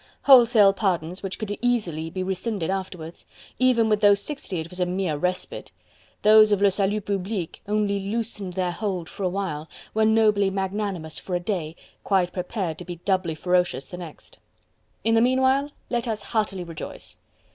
Wholesale pardons which could easily be rescinded afterwards. Even with those sixty it was a mere respite. Those of le Salut Public only loosened their hold for a while, were nobly magnanimous for a day, quite prepared to be doubly ferocious the next. In the meanwhile let us heartily rejoice!